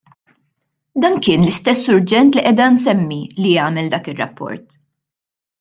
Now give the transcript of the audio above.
Dan kien l-istess surġent li qiegħda nsemmi li għamel dak ir-rapport.